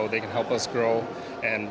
mereka bisa membantu kita berkembang